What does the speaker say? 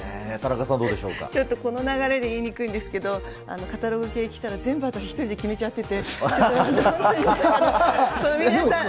ちょっとこの流れで言いにくいんですけど、カタログ系来たら、全部私、１人で決めちゃっていて、本当に、皆さん。